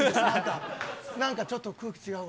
なんかちょっと、空気違うわ。